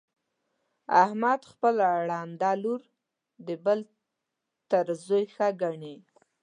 احمد خپله ړنده لور د بل تر زوی ښه ګڼي.